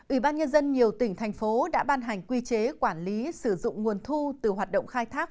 ủy ban nhân dân nhiều tỉnh thành phố đã ban hành quy chế quản lý sử dụng nguồn thu từ hoạt động khai thác